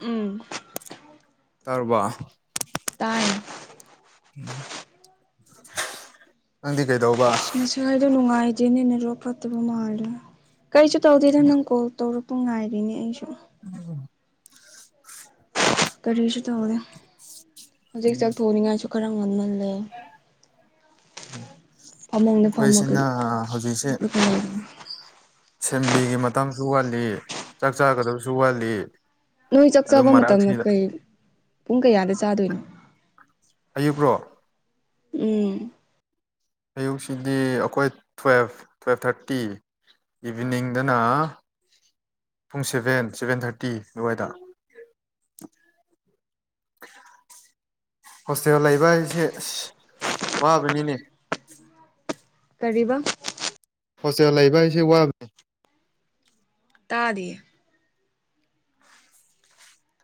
ꯎꯝ꯫ ꯇꯔꯕꯥ꯫ ꯇꯥꯏ꯫ ꯅꯪꯗꯤ ꯀꯩꯗꯧꯕ꯫ ꯉꯁꯥꯏꯗꯣ ꯅꯨꯡꯉꯥꯏꯗꯦꯅꯦ ꯂꯣꯛ ꯐꯠꯇꯕ ꯃꯥꯜꯂꯦ ꯀꯩꯁꯨ ꯇꯧꯗꯦꯗ ꯅꯪ ꯀꯣꯜ ꯇꯧꯔ ꯄꯨꯡ ꯉꯥꯏꯔꯤꯅꯦ ꯑꯩꯁꯨ꯫ [unintelligible] [inaudible] ꯀꯔꯤꯁꯨ ꯇꯧꯗꯦ ꯍꯧꯖꯤꯛ ꯆꯥꯛ ꯑꯩꯈꯣꯏꯁꯤꯅ ꯊꯣꯡꯅꯤꯡꯉꯥꯏꯁꯨ ꯈꯔ ꯉꯜꯃꯥꯜꯂꯦ꯫ ꯎꯝ ꯐꯃꯨꯡꯗ ꯑꯩꯈꯣꯏ ꯐꯝꯃꯒ ꯁꯤꯅ ꯍꯧꯖꯤꯛꯁꯦ꯫ ꯍꯤꯞꯂꯒ ꯂꯩꯕꯅꯦ ꯁꯦꯝꯂꯤꯒꯤ ꯃꯇꯥꯡꯁꯨ ꯋꯥꯠꯂꯤ ꯆꯥꯛ ꯆꯥꯒꯗꯕꯁꯨ ꯋꯥꯠꯂꯤ ꯅꯣꯏ ꯆꯥꯛ ꯑꯗꯨ ꯆꯕ ꯃꯇꯝꯗ ꯃꯔꯛꯁꯤꯗ ꯀꯩ ꯄꯨꯡ ꯀꯌꯥꯗ ꯆꯥꯗꯣꯏꯅꯣ꯫ ꯑꯌꯨꯛꯔꯣ꯫ ꯎꯝ꯫ ꯑꯌꯨꯛꯁꯤꯗꯤ ꯑꯩꯈꯣꯏ ꯇꯨꯋꯦꯜꯐ ꯇꯨꯋꯦꯜꯐ ꯊꯥꯔꯇꯤ ꯏꯚꯤꯅꯤꯡꯗꯅ꯫ ꯄꯨꯡ ꯁꯦꯚꯦꯟ ꯁꯚꯦꯟ ꯊꯥꯔꯇꯤ ꯑꯗꯨꯋꯥꯏꯗ꯫ ꯍꯣꯁꯇꯦꯜ ꯂꯩꯕ ꯍꯥꯏꯁꯦ ꯋꯥꯕꯅꯤꯅꯦ꯫ ꯀꯔꯤꯕ꯫ ꯍꯣꯇꯦꯜ ꯂꯩꯕ ꯍꯥꯏꯁꯦ ꯋꯥꯕꯅꯦ꯫ ꯇꯥꯗꯤꯌꯦ꯫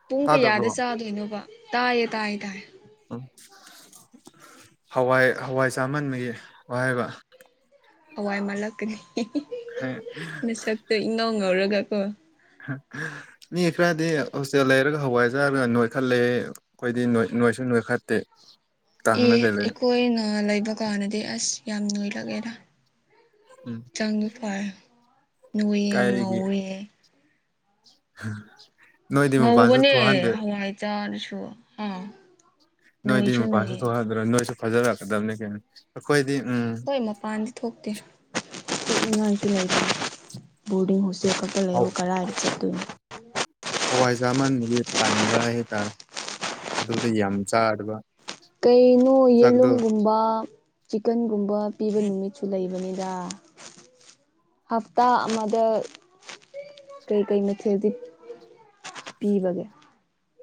ꯄꯨꯡ ꯇꯥꯗꯕ꯭ꯔꯣ ꯀꯌꯥꯗ ꯆꯥꯗꯣꯏꯅꯣꯕ ꯇꯥꯏꯌꯦ ꯇꯥꯏꯌꯦ ꯇꯥꯏꯌꯦ ꯎꯝ ꯍꯋꯥꯏ ꯍꯋꯥꯏ ꯆꯥꯃꯟꯕꯒꯤ ꯋꯥꯏ ꯍꯥꯏꯕ ꯍꯋꯥꯏ ꯃꯥꯜꯂꯛꯀꯅꯤ ꯃꯁꯛꯇꯣ ꯏꯪꯉꯧ ꯉꯧꯔꯒ ꯀꯣ [inaudible] ꯃꯤ ꯈꯔꯗꯤ ꯍꯣꯁꯇꯦꯜ ꯂꯩꯔꯒ ꯍꯋꯥꯏ ꯆꯥꯔꯒ ꯅꯣꯏꯈꯠꯂꯦꯌꯦ ꯑꯩꯈꯣꯏꯗꯤ ꯅꯣꯏꯁꯨ ꯅꯣꯏꯈꯠꯇꯦ ꯑꯦ ꯀꯪꯉꯒ ꯂꯩ ꯑꯩꯈꯣꯏꯅ ꯂꯩꯕ ꯀꯥꯟꯅꯗꯤ ꯑꯁ ꯌꯥꯝ ꯅꯣꯏꯔꯛꯑꯦꯗ ꯎꯝ ꯍꯛꯆꯥꯡꯟꯨ ꯐꯥꯔ ꯅꯣꯏꯌꯦ ꯀꯥꯏꯒꯤ ꯉꯧꯋꯦ [unintelligible] ꯃꯄꯥꯟꯁꯨ ꯉꯧꯕꯅꯦ ꯊꯣꯛꯍꯟꯗꯦ ꯍꯋꯥꯏ ꯆꯥꯔꯁꯨ ꯑꯥ ꯅꯣꯏꯗꯤ ꯅꯣꯏꯁꯨ ꯃꯄꯥꯟꯁꯨ ꯅꯣꯏꯌꯦ ꯊꯣꯛꯍꯟꯗ꯭ꯔꯥ ꯅꯣꯏꯁꯨ ꯐꯖꯔꯛꯀꯗꯕꯅꯤ ꯀꯩꯅꯣ ꯑꯩꯈꯣꯏꯗꯤ ꯎꯝ ꯍꯣꯏ ꯃꯄꯥꯟꯗꯤ ꯊꯣꯛꯇꯦ ꯊꯣꯛꯅꯤꯡꯉꯥꯏꯁꯨ ꯂꯩꯇꯦ ꯕꯣꯔꯗꯤꯡ ꯍꯣꯁꯇꯦꯜ ꯂꯩꯕꯨ ꯀꯔꯥꯏꯗ ꯆꯠꯇꯣꯏꯅꯣ ꯍꯋꯥꯏꯖꯥꯃꯟꯕꯒꯤ ꯇꯟꯕ ꯍꯥꯏꯇꯥꯔꯦ ꯑꯗꯨꯗ ꯌꯥꯝ ꯆꯥꯗꯕ ꯀꯩꯅꯣ ꯆꯥꯛꯗꯣ ꯌꯦꯂꯨꯝꯒꯨꯝꯕ ꯆꯤꯀꯟꯒꯨꯝꯕ ꯄꯤꯕ ꯅꯨꯃꯤꯠꯁꯨ ꯂꯩꯕꯅꯤꯗ ꯍꯞꯇꯥ ꯑꯃꯗ ꯀꯩꯀꯩ ꯃꯊꯦꯜꯗꯤ ꯄꯤꯕꯒꯦ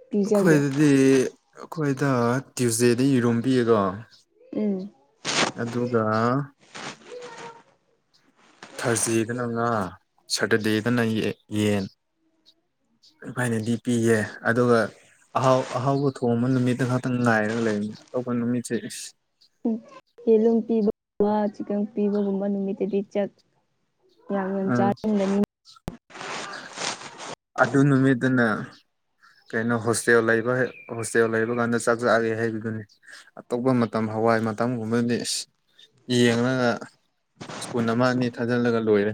ꯄꯤꯖꯒꯦ ꯑꯩꯈꯣꯏꯗꯗꯤ ꯑꯩꯈꯣꯏꯗ ꯇꯤꯌꯨꯁꯗꯦꯗꯤ ꯌꯦꯔꯣ ꯄꯌꯦꯀꯣ ꯎꯝ ꯑꯗꯨꯒ ꯊꯥꯔꯁꯗꯦꯗꯅ ꯉꯥ ꯁꯇꯔꯗꯦꯗꯅ ꯌꯦ ꯌꯦꯟ ꯐꯔꯥꯏꯗꯦꯗꯤ ꯄꯤꯌꯦ ꯑꯗꯨꯒ ꯑꯍꯥꯎ ꯑꯍꯥꯎꯕ ꯊꯣꯡꯕ ꯅꯨꯃꯤꯠꯇ ꯈꯛꯇꯪ ꯉꯥꯏꯔꯒ ꯂꯩꯔꯝꯃꯦ ꯑꯇꯣꯞꯄ ꯅꯨꯃꯤꯠꯁꯦ ꯎꯝ ꯌꯦꯂꯨꯝ ꯄꯤꯕꯒꯨꯝꯕ ꯆꯤꯀꯟ ꯄꯤꯕꯒꯨꯝꯕ ꯅꯨꯃꯤꯠꯇꯗꯤ ꯆꯠ ꯑꯥ ꯑꯗꯨ ꯅꯨꯃꯤꯠꯇꯨꯅ ꯀꯩꯅꯣ ꯍꯣꯁꯇꯦꯜ ꯂꯩꯕ ꯍꯣꯁꯇꯦꯜ ꯂꯩꯕ ꯀꯥꯟꯗ ꯆꯥꯛ ꯆꯥꯒꯦ ꯍꯥꯏꯕꯗꯨꯅꯤ ꯑꯇꯣꯞꯄ ꯃꯇꯝ ꯍꯋꯥꯏ ꯃꯇꯝꯒꯨꯝꯕꯗꯤ ꯏꯁ ꯌꯦꯡꯂꯒ ꯁꯄꯨꯟ ꯑꯃ ꯑꯅꯤ ꯊꯥꯖꯤꯜꯂꯒ ꯂꯣꯏꯔꯦ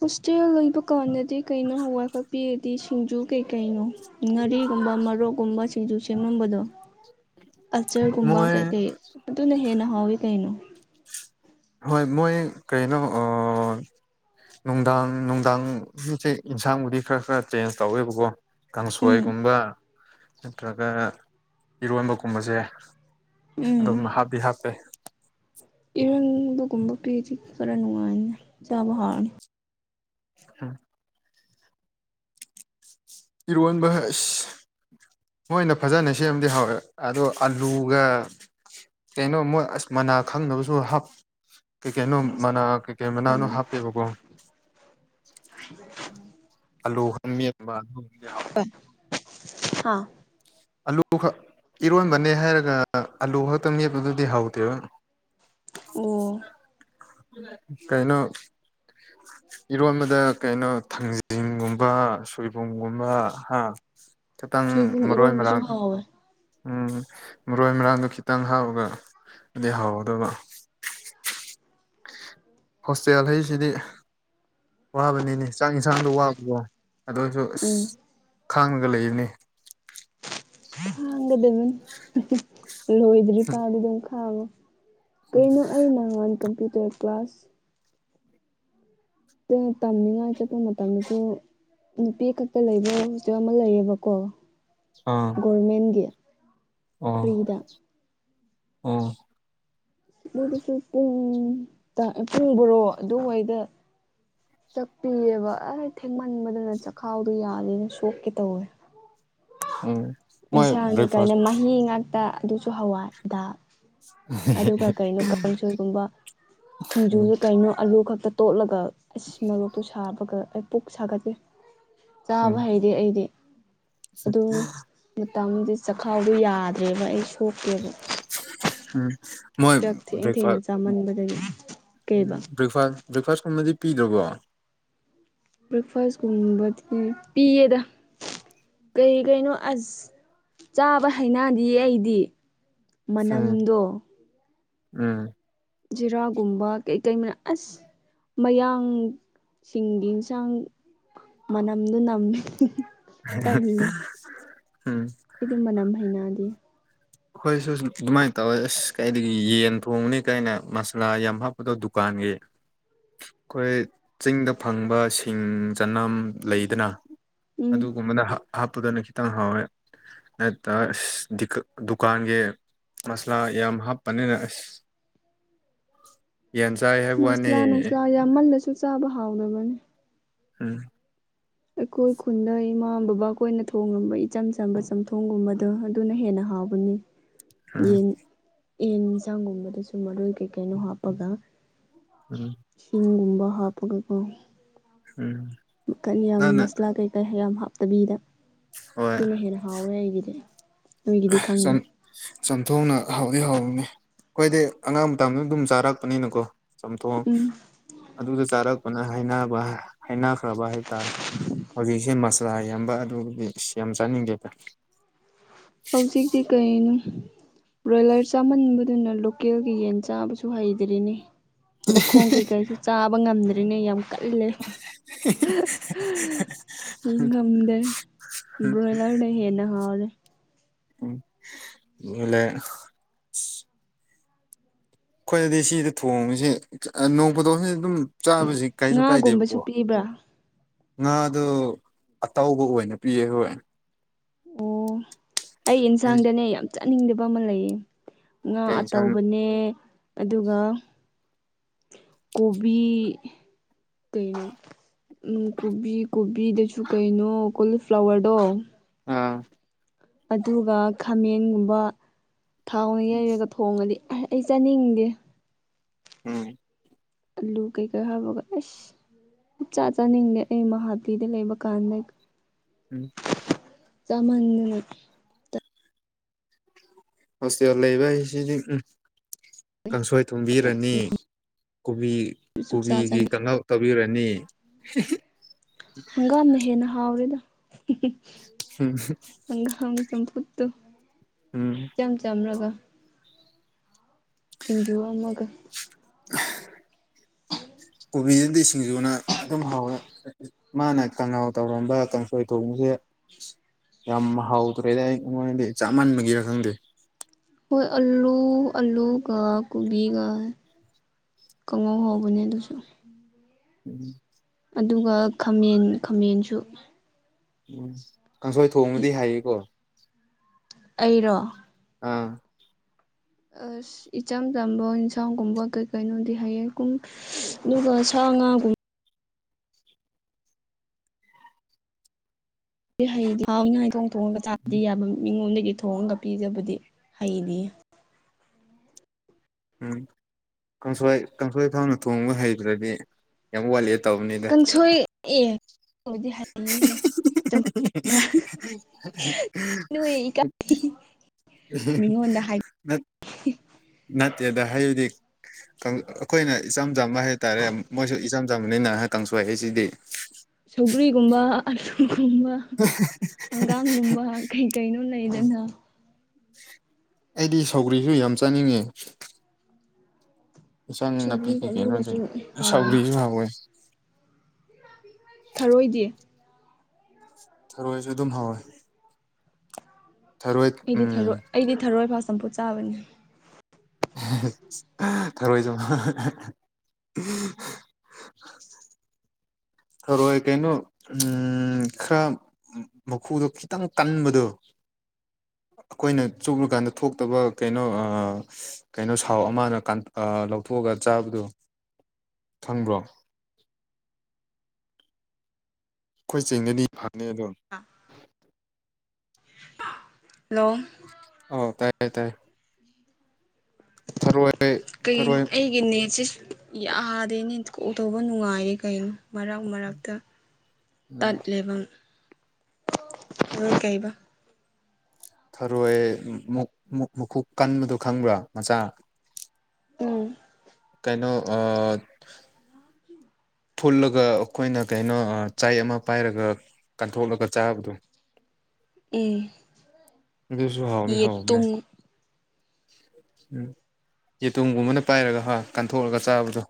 ꯍꯣꯁꯇꯦꯜ ꯂꯩꯕ ꯀꯥꯟꯗꯗꯤ ꯀꯩꯅꯣ ꯍꯋꯥꯏꯈꯛ ꯄꯤꯗꯤ ꯁꯤꯡꯖꯨ ꯀꯩꯀꯩꯅꯣ ꯉꯥꯔꯤꯒꯨꯝꯕ ꯃꯔꯣꯛꯀꯨꯝꯕ ꯁꯤꯡꯖꯨ ꯁꯦꯝꯂꯝꯕꯗꯣ [unintelligible] ꯑꯆꯔꯒꯨꯝꯕ ꯃꯣꯏ ꯀꯩꯀꯩ ꯑꯗꯨꯅ ꯍꯦꯟꯅ ꯍꯥꯎꯋꯤ ꯀꯩꯅꯣ ꯍꯣꯏ ꯃꯣꯏ ꯀꯩꯅꯣ ꯑꯥ ꯅꯨꯡꯗꯥꯡ ꯅꯨꯡꯗꯥꯡꯒꯤꯁꯦ ꯏꯟꯁꯥꯡꯕꯨꯗꯤ ꯈꯔ ꯈꯔ ꯆꯦꯟꯖ ꯇꯧꯋꯦꯕꯀꯣ ꯎꯝ ꯀꯥꯡꯁꯣꯏꯒꯨꯝꯕ ꯅꯠꯇ꯭ꯔꯒ ꯏꯔꯣꯟꯕ ꯒꯨꯝꯕꯁꯦ ꯎꯝ ꯑꯗꯨꯝ ꯍꯥꯞꯄꯤ ꯍꯥꯞꯄꯦ ꯏꯔꯣꯟꯕꯒꯨꯝꯕ ꯄꯤꯔꯤꯗꯤ ꯈꯔ ꯅꯨꯡꯉꯥꯏꯅꯤ ꯆꯥꯕ ꯍꯥꯎꯔꯅꯤ ꯎꯝ ꯏꯔꯣꯟꯕ ꯑꯁ ꯃꯣꯏꯅ ꯐꯖꯅ ꯁꯦꯝꯃꯗꯤ ꯍꯥꯎꯋꯦ ꯑꯗꯣ ꯑꯂꯨꯒ ꯀꯩꯅꯣ ꯃꯣꯏ ꯑꯁ ꯃꯅꯥ ꯈꯪꯗꯕꯁꯨ ꯍꯥꯞ ꯀꯩꯀꯩꯅꯣ ꯃꯅꯥ ꯀꯩꯀꯩ ꯃꯅꯥꯅꯣ ꯍꯥꯞꯄꯦꯕꯀꯣ ꯑꯂꯨ ꯈꯛꯇꯪ ꯃꯦꯠꯄ ꯑꯗꯨꯕꯨꯗꯤ ꯍꯥꯎ ꯍꯥꯥ ꯑꯂꯨ ꯈꯛ ꯏꯔꯣꯟꯕꯅꯦ ꯍꯥꯏꯔꯒ ꯑꯂꯨ ꯈꯛꯇ ꯃꯦꯠꯄꯗꯨꯗꯤ ꯍꯥꯎꯇꯦꯕ ꯑꯣ ꯀꯩꯅꯣ ꯏꯔꯣꯟꯕꯗ ꯀꯩꯅꯣ ꯊꯥꯡꯖꯤꯡꯒꯨꯝ ꯕ ꯁꯣꯏꯕꯨꯝꯒꯨꯝꯕ ꯍꯥ ꯈꯤꯇꯪ ꯁꯣꯏꯕꯨꯝ ꯃꯛ ꯏꯔꯣꯟꯕꯁꯨ ꯍꯥꯎꯋꯦ ꯎꯝ ꯃꯔꯣꯏ ꯃꯔꯥꯡꯗꯣ ꯈꯤꯇꯪ ꯍꯥꯥꯞꯄꯒ ꯑꯗꯨꯗꯤ ꯍꯥꯎꯔꯗꯕ ꯍꯣꯁꯇꯦꯜ ꯂꯩꯁꯤꯗꯤ ꯋꯥꯕꯅꯤꯅꯦ ꯆꯥꯛ ꯏꯟꯁꯥꯡꯗꯣ ꯋꯥꯕ꯭ꯔꯣ ꯑꯗꯨ ꯑꯣꯏꯖꯨ ꯎꯝ ꯑꯁ ꯈꯥꯡꯉꯒ ꯂꯩꯕꯅꯤ ꯈꯪꯒꯗꯕꯅꯤ ꯂꯣꯏꯗ꯭ꯔꯤꯐꯥꯎꯗꯤ ꯑꯗꯨꯝ ꯈꯪꯉꯣ ꯀꯩꯅꯣ ꯑꯩ ꯅꯍꯥꯟ ꯀꯝꯄ꯭ꯌꯨꯇꯔ ꯀ꯭ꯂꯥꯁ [unintelligible] ꯇꯝꯅꯤꯉꯥꯏ ꯆꯠꯄ ꯃꯇꯝꯗꯁꯨ ꯅꯨꯄꯤ ꯈꯛꯇ ꯂꯩꯕ ꯍꯣꯁꯇꯦꯜ ꯑꯃ ꯂꯩꯌꯦꯕꯀꯣ ꯑꯥ ꯒꯣꯔꯃꯦꯟꯒꯤ ꯑꯣ ꯐ꯭ꯔꯤꯗ ꯑꯣ ꯑꯗꯨꯒꯤꯁꯨ ꯄꯨꯡ ꯇ ꯄꯨꯡ ꯕꯔꯣ ꯑꯗꯨꯋꯥꯏꯗ ꯆꯥꯛꯄꯤꯑꯕ ꯑꯁ ꯊꯦꯡꯃꯟꯕꯗꯨꯅ ꯆꯈꯥꯎꯗꯣ ꯌꯥꯗꯦꯅꯦ ꯁꯣꯛꯀꯦ ꯇꯧꯋꯦ ꯎꯝ ꯃꯣꯏ ꯏꯟꯁꯥꯡꯅꯦ ꯀꯥꯏꯅ ꯕ꯭ꯔꯦꯛꯐꯥꯁ ꯃꯍꯤ ꯉꯥꯡ ꯇ ꯑꯗꯨꯁꯨ ꯍꯋꯥꯏꯗ ꯑꯗꯨꯒ ꯀꯩꯅꯣ ꯀꯥꯡꯁꯣꯏꯒꯨꯝꯕ ꯎꯝ ꯁꯤꯡꯖꯨꯁꯨ ꯀꯩꯅꯣ ꯑꯂꯨ ꯈꯛꯇ ꯇꯣꯠꯂꯒ ꯑꯁ ꯃꯔꯣꯛꯇꯨ ꯁꯥꯕꯒ ꯑꯩ ꯄꯨꯛ ꯁꯥꯒꯠꯂꯦ ꯎꯝ ꯆꯥꯕ ꯍꯩꯇꯦ ꯑꯩꯗꯤ ꯑꯗꯨ ꯃꯇꯝꯗꯤ ꯆꯈꯥꯎꯗꯣ ꯌꯥꯗ꯭ꯔꯦꯕ ꯑꯩ ꯁꯣꯛꯀꯦꯕ ꯎꯝ ꯃꯣꯏ ꯆꯥꯛ ꯊꯦꯡ ꯕ꯭ꯔꯦꯐꯥ ꯊꯦꯡꯅ ꯆꯥꯃꯟꯕꯗꯒꯤ ꯀꯩꯕ ꯕ꯭ꯔꯦꯛꯐꯥꯁ ꯕ꯭ꯔꯦꯛꯐꯥꯁꯀꯨꯝꯕꯗꯤ ꯄꯤꯗ꯭ꯔꯕꯣ ꯕ꯭ꯔꯦꯛꯐꯥꯁꯀꯨꯝꯕꯗꯤ ꯄꯤꯌꯦꯗ ꯀꯔꯤ ꯀꯩꯅꯣ ꯑꯁ ꯆꯥꯕ ꯍꯩꯅꯥꯗꯤꯌꯦ ꯑꯩꯗꯤ ꯎꯝ ꯃꯅꯝꯗꯣ ꯎꯝ ꯖꯤꯔꯥꯒꯨꯝꯕ ꯀꯩ ꯀꯩ ꯃꯅꯥ ꯑꯁ ꯃꯌꯥꯡ ꯁꯤꯡꯗꯤ ꯏꯟꯁꯥꯡ ꯃꯅꯝꯗꯨ ꯅꯝꯃꯤ ꯇꯜꯂꯦ ꯑꯩꯗꯤ ꯃꯅꯝ ꯍꯩꯅꯗꯦ [unintelligible] ꯑꯈꯣꯏꯁꯨ ꯑꯗꯨꯃꯥꯏꯅ ꯇꯧꯋꯦ ꯑꯁ ꯀꯩꯗꯒꯤ ꯌꯦꯟ ꯊꯣꯡꯕꯅꯤ ꯀꯩꯅꯦ ꯃꯁꯂꯥ ꯌꯥꯝ ꯍꯥꯞꯄꯗꯣ ꯗꯨꯀꯥꯟꯒꯤ ꯑꯈꯣꯏ ꯆꯤꯡꯗ ꯐꯪꯕ ꯁꯤꯡ ꯆꯅꯝ ꯂꯩꯗꯅ ꯎꯝ ꯑꯗꯨꯒꯨꯝꯕꯅ ꯍꯥꯞ ꯍꯥꯞꯄꯗꯨꯅ ꯈꯤꯇꯪ ꯍꯥꯎꯋꯦ [unintelligible] ꯑꯁ ꯗꯤꯀꯛ ꯗꯨꯀꯥꯟꯒꯤ ꯃꯁꯂꯥ ꯌꯥꯝ ꯍꯥꯞꯄꯅꯤꯅ ꯑꯁ ꯌꯦꯟ ꯆꯥꯏ ꯍꯥꯏꯕꯋꯅꯦ ꯌꯥꯝꯃꯟꯂꯁꯨ ꯆꯥꯕ ꯍꯥꯎꯇꯕꯅꯤ ꯎꯝ ꯑꯩꯈꯣꯏ ꯈꯨꯟꯗ ꯏꯃꯥ ꯕꯕꯥ ꯈꯣꯏꯅ ꯊꯣꯡꯉꯝꯕ ꯏꯆꯝ ꯆꯝꯕ ꯆꯝꯊꯣꯡꯒꯨꯝꯕꯗꯣ ꯑꯗꯨꯅ ꯍꯦꯟꯅ ꯍꯥꯎꯕꯅꯤ [unintelligible] ꯌꯦꯟ ꯌꯦꯟ ꯑꯦꯟꯁꯥꯡꯒꯨꯝꯕꯗꯁꯨ ꯃꯔꯣꯏ ꯀꯩꯀꯩꯅꯣ ꯍꯥꯞꯄꯒ ꯎꯝ ꯍꯤꯡꯒꯨꯝꯕ ꯍꯥꯞꯄꯒꯀꯣ ꯎꯝ ꯃꯈꯟ ꯌꯥꯝ ꯅꯪꯅ ꯃꯁꯂꯥ ꯀꯩꯀꯩ ꯌꯥꯝ ꯍꯥꯞꯇꯕꯤꯗ ꯍꯣꯏ ꯑꯗꯨꯅ ꯍꯦꯟꯅ ꯍꯥꯎꯋꯦ ꯑꯩꯒꯤꯗꯤ ꯅꯣꯏꯒꯤꯗꯤ ꯈꯪꯗꯦ ꯆꯥꯝꯊꯣꯛꯅ ꯍꯥꯎꯗꯤ ꯍꯧꯕꯅꯤ ꯑꯩꯈꫭꯏꯗꯤ ꯑꯉꯥꯡ ꯃꯇꯗ ꯑꯗꯨꯝ ꯆꯥꯔꯛꯄꯅꯤꯅꯀꯣ ꯆꯝꯊꯣꯡ ꯎꯝ ꯑꯗꯨꯗ ꯆꯥꯔꯛꯄꯅ ꯍꯩꯅꯕ ꯍꯥꯏꯅꯈ꯭ꯔꯕ ꯍꯥꯏꯇꯥꯔꯦ ꯍꯧꯖꯤꯛꯁꯦ ꯃꯁꯂꯥ ꯌꯥꯝꯕ ꯑꯗꯨꯕꯨꯗꯤ ꯌꯥꯝ ꯆꯥꯅꯤꯡꯗꯦꯕ ꯍꯧꯖꯤꯛꯇꯤ ꯀꯩꯅꯣ ꯕ꯭ꯔꯣꯏꯂꯔ ꯆꯥꯃꯟꯕꯗꯨꯅ ꯂꯣꯀꯦꯜꯒꯤ ꯌꯦꯟ ꯆꯥꯕꯁꯨ ꯍꯩꯗ꯭ꯔꯤꯅꯦ ꯃꯈꯣꯡ ꯀꯩꯀꯩꯁꯨ ꯆꯥꯕ ꯉꯝꯗ꯭ꯔꯤꯅꯦ ꯌꯥꯝ ꯀꯜꯂꯦ ꯏꯉꯥꯝꯗꯦ ꯕ꯭ꯔꯣꯌꯂꯔꯅꯦ ꯍꯦꯟꯅ ꯍꯥꯎꯔꯦ [unintelligible] ꯑꯩꯈꯣꯏꯅꯗꯤ ꯁꯤꯗ ꯊꯣꯡꯉꯁꯤ ꯅꯣꯡꯄꯗꯣꯛꯖꯤ ꯑꯗꯨꯝ ꯆꯥꯕꯁꯤ ꯀꯥꯏꯁꯨ ꯉꯥꯒꯨꯝꯕꯁꯨ ꯀꯥꯏꯗꯦꯕꯀꯣ ꯄꯤꯕ꯭ꯔꯥ ꯉꯥꯗꯨ ꯑꯇꯧꯕ ꯑꯣꯏꯅ ꯄꯤꯌꯦ ꯍꯣꯏ ꯑꯣ ꯑꯩ ꯌꯦꯟꯁꯥꯡꯗꯅꯦ ꯌꯥꯝ ꯆꯅꯤꯡꯗꯕ ꯑꯃ ꯂꯩꯌꯦ ꯉꯥ ꯀꯩ ꯏꯟꯁꯥꯡ ꯑꯇꯧꯕꯅꯦ ꯑꯗꯨꯒ ꯀꯣꯕꯤ ꯀꯩꯅꫭ ꯎ ꯀꯣꯕꯤ ꯀꯣꯕꯤꯗꯁꯨ ꯀꯩꯅꯣ ꯀꯣꯂꯤꯐ꯭ꯂꯥꯋꯔꯗꯣ ꯑꯥ ꯑꯗꯨꯒ ꯈꯥꯃꯦꯟꯒꯨꯝꯕ ꯊꯥꯎꯅ ꯌꯩꯔꯒ ꯊꯣꯡꯉꯗꯤ ꯑ ꯑꯩ ꯆꯥꯅꯤꯡꯗꯦ ꯎꯝ ꯑꯂꯨ ꯀꯩꯀꯩ ꯍꯥꯞꯄꯒ ꯑꯦꯁ ꯆꯞ ꯆꯥ ꯆꯥꯅꯤꯡꯗꯦ ꯑꯩ ꯃꯍꯥꯕꯂꯤꯗ ꯂꯩꯕ ꯀꯥꯟꯗ ꯎꯝ ꯆꯃꯥꯟꯗꯅꯥ ꯍꯣꯁꯇꯦꯜ ꯂꯩꯕ ꯍꯥꯏꯁꯤꯗꯤ ꯎꯝ ꯀꯥꯡꯁꯣꯏ ꯊꯨꯝꯕꯤꯔꯅꯤ ꯀꯣꯕꯤ ꯁꯨꯛꯆꯥ ꯀꯣꯕꯤꯒꯤ ꯆꯥꯅꯤꯡ ꯀꯥꯡꯍꯧ ꯇꯧꯕꯤꯔꯅꯤ ꯍꯪꯒꯥꯝꯅ ꯍꯦꯅ ꯍꯥꯎꯔꯦꯗ ꯎꯝ ꯍꯪꯒꯥꯥꯝꯒꯤ ꯆꯝꯐꯨꯠꯇꯨ ꯎꯝ ꯏꯆꯝ ꯆꯝꯔꯒ ꯁꯤꯡꯖꯨ ꯑꯃꯒ ꯑ [unintelligible] ꯀꯣꯕꯤꯁꯤꯗꯤ ꯁꯤꯡꯖꯨꯅ ꯑꯗꯨꯝ ꯍꯥꯎꯋꯦ ꯃꯥꯅ ꯀꯥꯡꯉꯥꯎ ꯇꯧꯔꯝꯕ ꯀꯥꯡꯁꯣꯏ ꯊꯣꯡꯕꯁꯦ ꯌꯥꯝ ꯍꯥꯎꯗ꯭ꯔꯦꯗ ꯑꯩ ꯑꯩꯉꯣꯟꯗꯗꯤ ꯆꯃꯟꯕꯒꯤꯔ ꯈꯪꯗꯦ ꯍꯣꯏ ꯑꯜꯂꯨ ꯑꯜꯂꯨ ꯀ ꯀꯣꯕꯤꯒ ꯀꯥꯡꯉꯧ ꯍꯥꯎꯕꯅꯦ ꯑꯗꯨꯁꯨ ꯎꯝ ꯑꯗꯨꯒ ꯈꯥꯃꯦꯟ ꯈꯥꯃꯦꯟꯁꯨ ꯎꯝ ꯀꯥꯡꯁꯣꯏ ꯊꯣꯡꯕꯗꯤ ꯍꯥꯏꯌꯦꯀꯣ ꯑꯩꯔꯣ ꯑꯥ ꯑꯁ ꯏꯆꯝ ꯆꯝꯕ ꯏꯟꯁꯥꯡꯒꯨꯝꯕ ꯀꯩ ꯀꯩꯅꯣꯗꯤ ꯍꯩꯌꯦ ꯀꯨꯝ ꯑꯗꯨꯒ ꯁꯥ ꯉꯥꯒꯨꯝꯕ ꯍꯩꯗꯤ ꯍꯥꯎꯅꯉꯥꯏ ꯊꯣꯡ ꯊꯣꯡꯉꯒ ꯆꯥꯕꯥꯗꯤ ꯌꯥꯕ ꯃꯤꯉꯣꯟꯗꯒꯤ ꯊꯣꯡꯉꯒ ꯄꯤꯖꯕꯗꯤ ꯍꯩꯅꯤ ꯎꯝ ꯀꯥꯡꯁꯣꯏ ꯀꯥꯡꯁꯣꯏ ꯍꯥꯎꯅ ꯊꯣꯡꯕ ꯍꯩꯗ꯭ꯔꯗꯤ ꯌꯥꯝ ꯋꯥꯠꯂꯤ ꯀꯥꯡꯁꯣꯏ ꯑꯦꯕꯨꯗꯤ ꯍꯩꯍꯦ ꯃꯤꯉꯣꯟꯗ ꯍꯥꯏ [unintelligible] ꯅꯠꯇꯦꯗ ꯍꯥꯏꯗꯤ ꯑꯩꯈꯣꯏꯅ ꯏꯆꯝ ꯆꯝꯕ ꯍꯥꯏꯇꯥꯔꯦ ꯃꯣꯏꯁꯨ ꯏꯆꯝ ꯆꯝꯕꯅꯤꯅ ꯀꯥꯡꯁꯣꯏ ꯍꯥꯏꯁꯤꯗꯤ ꯁꯧꯒ꯭ꯔꯤꯒꯨꯝꯕ ꯑꯂꯨꯒꯨꯝꯕ ꯍꯪꯒꯥꯝꯒꯨꯝꯕ ꯀꯩ ꯀꯩꯅꯣ ꯂꯩꯗꯅ ꯑꯩꯗꯤ ꯁꯧꯒ꯭ꯔꯤꯁꯨ ꯌꯥꯝ ꯆꯥꯅꯤꯡꯉꯦ ꯏꯆꯪ ꯅꯥꯄꯤ ꯁꯧꯒ꯭ꯔꯤꯒ ꯀꯩ ꯀꯩꯅꯣꯗ ꯑꯂꯨꯒꯁꯨ ꯍꯥꯎꯋꯦ ꯁꯥꯎꯒ꯭ꯔꯤꯁꯨ ꯍꯧꯋꯦ ꯊꯔꯣꯏꯗꯤ ꯊꯔꯣꯏꯁꯨ ꯑꯗꯨꯝ ꯍꯧꯋꯦ ꯑꯩꯗꯤ ꯎꯝ ꯊꯣꯏ ꯑꯩꯗꯤ ꯊꯔꯣꯏ ꯏꯐꯥ ꯆꯝꯐꯨꯠ ꯆꯥꯕꯅꯤ ꯊꯔꯣꯏ ꯆꯝꯐꯨꯠ ꯍꯔꯣꯏ ꯀꯩꯅꯣ ꯎꯝ ꯈꯔ ꯃꯈꯨꯗꯣ ꯈꯤꯇꯪ ꯀꯟꯕꯗꯣ ꯑꯩꯈꯣꯏꯅ ꯆꯨꯞꯂꯨꯀꯥꯟꯗ ꯊꯣꯛꯇꯕ ꯀꯩꯅꯣ ꯀꯩꯅꯣ ꯁꯥꯎ ꯑꯃꯅ ꯂꯧꯊꯣꯛꯑꯒ ꯆꯥꯕꯗꯨꯣ ꯐꯪꯕ꯭ꯔꯣ ꯑꯩꯈꯣꯏ ꯆꯤꯡꯗꯗꯤ ꯐꯅꯤ ꯑꯗꯣ [unintelligible] ꯂꯣ ꯑꯣ ꯇꯥꯏ ꯇꯥꯏꯌꯦ ꯊꯔꯣꯏ ꯀꯩꯅꯣ ꯊꯔꯣꯏ ꯑꯩꯒꯤ ꯅꯦꯠꯁꯦ ꯌꯥꯗꯦꯅꯦ ꯀꯣꯛꯜ ꯇꯧꯕ ꯅꯨꯡꯉꯥꯏꯔꯦ ꯀꯩꯅꯣ ꯃꯔꯛ ꯃꯔꯛꯇ ꯎꯝ ꯇꯠꯂꯦꯕ‌‌ ꯑꯗꯣ ꯀꯩꯕ ꯊꯔꯣꯏ ꯃꯨꯛ ꯃꯈꯨꯞ ꯀꯟꯕꯗꯨꯣ ꯈꯪꯕ꯭ꯔꯥ ꯃꯆꯥ ꯎꯝ ꯀꯩꯅꯣ ꯐꯨꯜꯂꯒ ꯑꯩꯈꯣꯏꯅ ꯀꯩꯅꯣ ꯆꯥꯏ ꯑꯃ ꯄꯥꯏꯔꯒ ꯀꯟꯊꯣꯛꯂꯒ ꯆꯥꯕꯗꯣ ꯎꯝ ꯑꯗꯨꯁꯨ ꯍꯥꯎꯅꯤ ꯍꯥꯎꯕꯅꯦ ꯌꯦꯇꯨꯝ ꯎꯝ ꯌꯦꯇꯨꯝꯒꯨꯝꯕꯅ ꯄꯥꯏꯔꯒ ꯍꯥ ꯀꯟꯊꯣꯛꯂꯒ ꯆꯥꯕꯗꯣ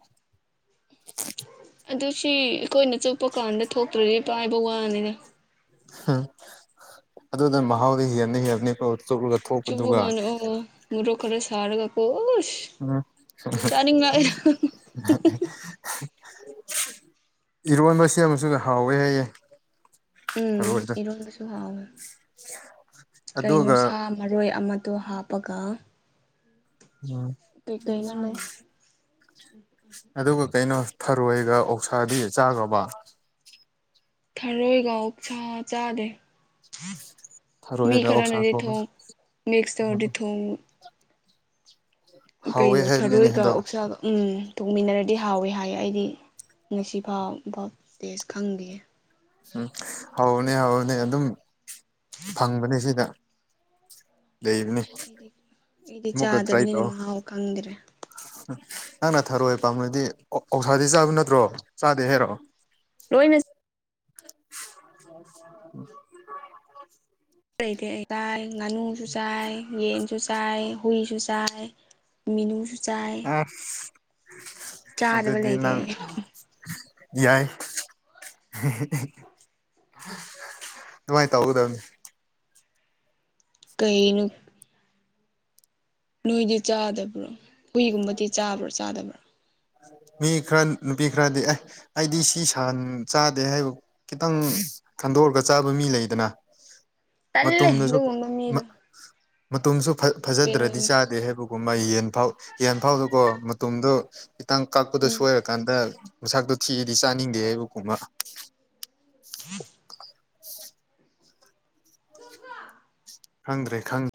[inaudible] ꯑꯗꯨ ꯁꯤ ꯑꯩꯈꯣꯏꯅ ꯆꯨꯞꯄ ꯀꯥꯟꯗ ꯊꯣꯛꯇ꯭ꯔꯗꯤ ꯄꯥꯏꯕ ꯋꯥꯅꯤꯅ ꯎꯝ ꯑꯗꯨ ꯃꯍꯥꯎꯕꯨꯗꯤ ꯍꯤꯅꯤ ꯍꯤꯔꯅꯤ ꯆꯨꯝꯔꯒ ꯆꯨꯕ ꯀꯥꯟꯗ ꯑꯃꯨꯛ ꯑꯃꯨꯛ ꯃꯨꯔꯣꯛ ꯈꯔ ꯁꯔꯒ ꯀꯣ [unintelligible] ꯏꯔꯣꯟꯕꯕꯁꯤ ꯑꯃꯁꯨꯡ ꯍꯥꯎꯋꯦ ꯍꯥꯏꯌꯦ ꯎꯝ ꯊꯔꯣꯏꯗꯣ ꯏꯔꯣꯟꯕꯁꯨ ꯍꯥꯎꯋꯦ ꯀꯩꯅꯣ ꯑꯗꯨꯒ ꯁꯥ ꯃꯔꯣꯏ ꯑꯃꯗꯣ ꯍꯥꯞꯄꯒ ꯎꯝ ꯀꯩ ꯀꯩꯅꯣ ꯂꯩ ꯑꯗꯨꯒ ꯀꯩꯅꯣ ꯊꯔꯣꯏꯒ ꯑꯣꯛꯁꯥꯗꯤ ꯆꯥꯈ꯭ꯔꯕ ꯊꯔꯣꯏꯒ ꯑꯣꯛ ꯁꯥꯥ ꯆꯥꯗꯦ ꯃꯤ ꯊꯔꯣꯏꯒ ꯈꯔ ꯑꯣꯛꯁꯥ ꯅꯗꯤ ꯊꯣꯡꯕꯁꯨ ꯊꯣꯉ ꯃꯤꯛ ꯇꯔꯗꯤ ꯊꯣꯉ ꯍꯥꯎꯋꯦ ꯀꯩꯅꯣ ꯍꯥꯏꯕꯅꯤꯅꯦ ꯊꯔꯣꯏꯒ ꯑꯗꯣ ꯑꯣꯛꯁꯥꯒ ꯎꯝ ꯇꯣꯡꯃꯤꯟꯅꯔꯗꯤ ꯍꯥꯎꯋꯏ ꯍꯥꯏꯌꯦ ꯑꯩꯗꯤ ꯉꯁꯤ ꯐꯥꯎꯕ ꯇꯦꯖ ꯈꯪꯗꯥꯌꯦ ꯎꯝ ꯍꯥꯎꯕꯅꯦ ꯍꯥꯎꯕꯅꯦ ꯑꯗꯨꯝ ꯐꯪꯕꯅꯦ ꯁꯤꯗ ꯂꯩꯕꯅꯤ ꯑꯩꯗꯤ ꯑꯩꯗꯤ ꯆꯥꯗꯕꯅꯤꯅ ꯃꯍꯥꯎ ꯈꯪꯗ꯭ꯔꯦ ꯅꯪꯅ ꯊꯔꯣꯏ ꯄꯥꯝꯃꯥꯗꯤ ꯑꯣꯛ ꯑꯣꯛꯁꯗꯤ ꯆꯥꯕ ꯅꯠꯇ꯭ꯔꯣ ꯆꯥꯗꯦ ꯍꯥꯏꯔꯣ ꯂꯣꯏꯅ__ [unintelligible] ꯂꯩꯔꯦ ꯑꯩ ꯆꯥꯏ ꯉꯥꯅꯨꯁꯨ ꯆꯥꯏ ꯌꯦꯟꯁꯨ ꯆꯥꯏ ꯍꯨꯏꯁꯨ ꯆꯥꯏ ꯃꯤꯅꯨꯁꯨ ꯆꯥꯏ ꯑꯁ ꯆꯥꯗꯕ ꯑꯗꯨꯗꯤ ꯂꯩꯇꯦ ꯅꯪ ꯑꯩ ꯌꯥꯏ [unintelligible] ꯑꯗꯨꯃꯥꯏ ꯇꯧꯒꯗꯕꯅꯤ ꯀꯩꯅꯣ ꯂꯨꯏꯗꯤ ꯆꯥꯗꯕ꯭ꯔꯣ ꯍꯨꯏꯒꯨꯝꯕꯗꯤ ꯆꯥꯕ꯭ꯔꯣ ꯆꯥꯗꯕ꯭ꯔꯣ ꯃꯤ ꯈꯔ ꯅꯨꯄꯤ ꯈꯔꯗꯤ ꯑꯦ ꯑꯩꯗꯤ ꯁꯤ ꯁꯥꯟ ꯆꯥꯗꯦ ꯍꯥꯏ__ ꯈꯤꯇꯪ ꯈꯟꯗꯣꯛꯑꯒ ꯆꯥꯕ ꯃꯤ ꯂꯩꯗꯅ ꯇꯜꯂꯦ ꯃꯇꯨꯝꯗꯁꯨ ꯑꯗꯨꯒꯨꯝꯕ ꯃꯤꯗꯣ ꯃꯇꯣꯝꯁꯨ ꯐꯥ ꯐꯖꯗ꯭ꯔꯥꯗꯤ ꯎꯝ ꯆꯥꯗꯦ ꯍꯥꯏꯕ__ ꯒꯨꯝꯕ ꯌꯦꯟ ꯐꯥꯎ ꯌꯦꯟ ꯐꯥꯎꯗꯀꯣ ꯃꯇꯨꯝꯗꯣ ꯈꯤꯇꯪ ꯀꯛꯄꯗ ꯁꯣꯏꯔꯒꯨꯝ__ [unintelligible] ꯃꯁꯥꯛꯇꯣ ꯊꯤꯔꯗꯤ ꯆꯥꯅꯤꯡꯗꯦ ꯍꯥꯏꯕ ꯀꯨꯝꯕ [unintelligible] ꯥ [unintelligible] ꯈꯪꯗ꯭ꯔꯦ ꯈꯪ__